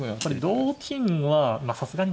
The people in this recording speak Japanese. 同金はさすがにないか。